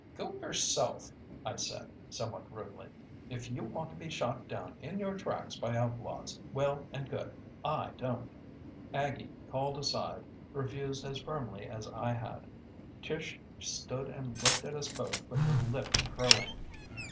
"Go yourself!" I said somewhat rudely. "If you want to be shot down in your tracks by outlaws, well and good. I don't." Aggie, called aside, refused as firmly as I had. Tish stood and looked at us both with her lip curling.